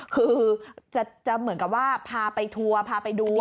คือจะเหมือนกับว่าพาไปทัวร์พาไปดู